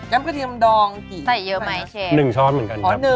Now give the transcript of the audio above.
เก้มกระเทียมดองกี่